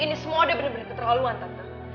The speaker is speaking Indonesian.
ini semua udah bener bener keterlaluan tante